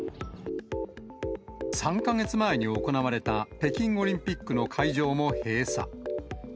３か月前に行われた北京オリンピックの会場も閉鎖。